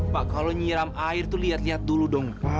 pak kalau nyiram air itu lihat lihat dulu dong